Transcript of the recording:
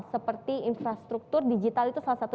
seperti infrastruktur digital itu salah satu